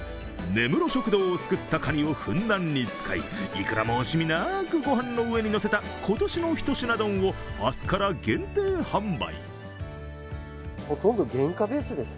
根室食堂を救ったかにをふんだんに使いいくらも惜しみなく御飯の上にのせた今年の一品丼を明日から限定販売。